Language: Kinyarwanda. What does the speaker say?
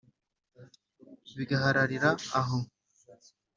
bigahararira aho